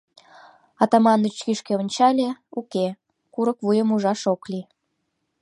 Атаманыч кӱшкӧ ончале — уке, курык вуйым ужаш ок лий.